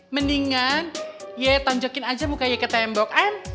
mendingan ye tonjokin aja mukanya ke tembok an